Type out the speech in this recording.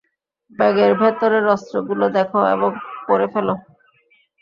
ব্যাগের ভেতরের অস্ত্রগুলো দেখ এবং পরে ফেলো।